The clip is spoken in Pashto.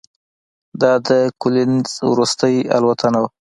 دا د کولینز وروستۍ الوتنه وه.